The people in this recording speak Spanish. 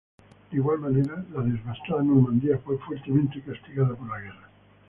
De igual manera, la devastada Normandía fue fuertemente castigada por la guerra.